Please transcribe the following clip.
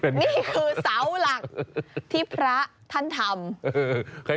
นี่คือเสาหลักที่พระท่านทำ